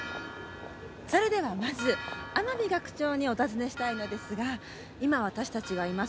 それではまず天海学長にお尋ねしたいのですが今私たちがいます